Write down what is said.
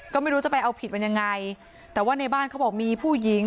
ก็ไม่รู้จะไปเอาผิดมันยังไงแต่ว่าในบ้านเขาบอกมีผู้หญิง